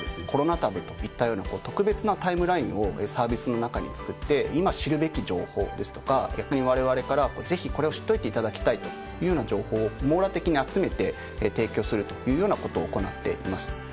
コロナタブといったような特別なタイムラインをサービスの中に作って今知るべき情報ですとか逆にわれわれからぜひこれを知っといていただきたいというような情報を網羅的に集めて提供するというようなことを行っています。